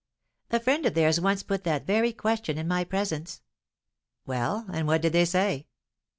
"A friend of theirs once put that very question in my presence." "Well, and what did they say?"